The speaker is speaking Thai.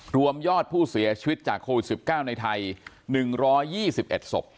รวมยอดผู้เสียชีวิตจากโควิด๑๙ในไทย๑๒๑ศพ